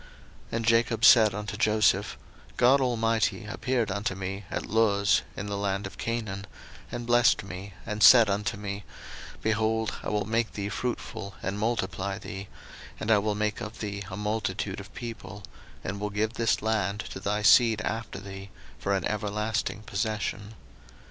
01:048:003 And Jacob said unto Joseph, God Almighty appeared unto me at Luz in the land of Canaan, and blessed me, 01:048:004 And said unto me, Behold, I will make thee fruitful, and multiply thee, and I will make of thee a multitude of people; and will give this land to thy seed after thee for an everlasting possession.